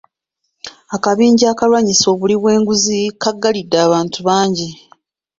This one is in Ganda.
Akabinja akalwanyisa obuli bw'enguzi kaggalidde abantu bangi.